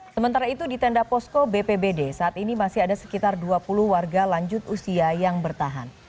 sementara itu di tenda posko bpbd saat ini masih ada sekitar dua puluh warga lanjut usia yang bertahan